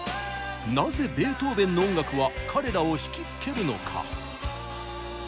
なぜベートーベンの音楽は彼らをひきつけるのか。